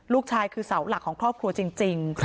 ลูกชายคือเสาหลักของครอบครัวจริง